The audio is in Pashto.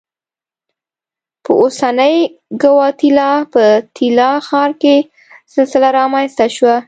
په اوسنۍ ګواتیلا په تیکال ښار کې سلسله رامنځته شوه.